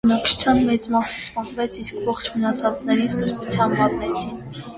Բնակչության մեծ մասը սպանվեց, իսկ ողջ մնացածներին ստրկության մատնեցին։